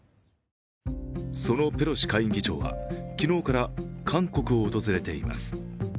そのペロシ下院議長は昨日から韓国を訪れています。